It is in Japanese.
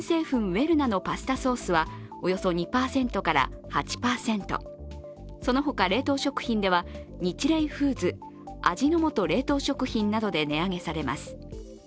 ウェルナのパスタソースはおよそ２％から８％その他、冷凍食品ではニチレイフーズ、味の素冷凍食品などで値上げされます。